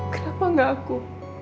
kenapa gak aku